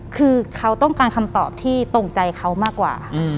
คือเขาต้องการคำตอบที่ตรงใจเขามากกว่า